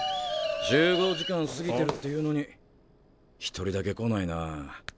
集合時間過ぎてるっていうのに１人だけ来ないな。